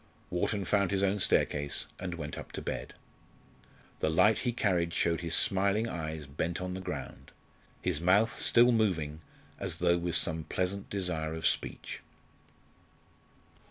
Wharton found his own staircase, and went up to bed. The light he carried showed his smiling eyes bent on the ground, his mouth still moving as though with some pleasant desire of speech.